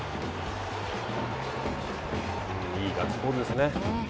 いいガッツポーズですね。